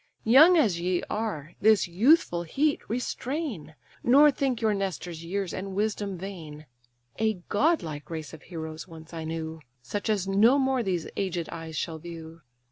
Young as ye are, this youthful heat restrain, Nor think your Nestor's years and wisdom vain. A godlike race of heroes once I knew, Such as no more these aged eyes shall view!